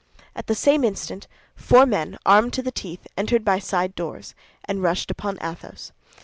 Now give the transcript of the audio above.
At the same instant, four men, armed to the teeth, entered by side doors, and rushed upon Athos.